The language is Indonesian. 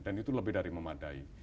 itu lebih dari memadai